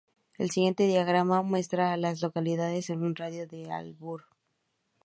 El siguiente diagrama muestra a las localidades en un radio de de Auburn.